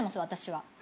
私は。